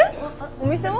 お店は？